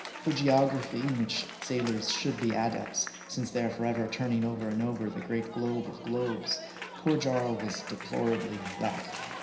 For geog raphy, in which sailors should be adepts, since they are for ever turning over and over the great globe of globes, poor Jarl was deplorably lacking.